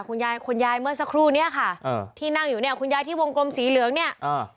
คุณยายคุณยายเมื่อสักครู่เนี้ยค่ะอ่าที่นั่งอยู่เนี่ยคุณยายที่วงกลมสีเหลืองเนี่ยอ่า